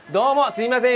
すいません。